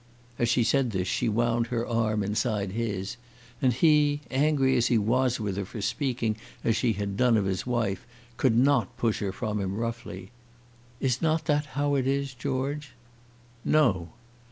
As she said this, she wound her arm inside his; and he, angry as he was with her for speaking as she had done of his wife, could not push her from him roughly. "Is not that how it is, George?" "No?"